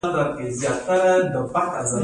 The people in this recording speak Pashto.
د هرات خربوزې د کیفیت له مخې ښې دي.